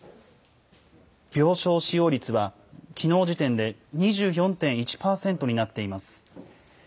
病床使用率は、きのう時点で２４．１％になっています。